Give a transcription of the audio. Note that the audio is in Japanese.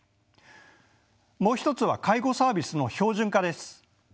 もう一つは介護サービスの標準化です。